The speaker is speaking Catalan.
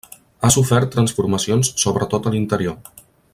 Ha sofert transformacions sobretot a l'interior.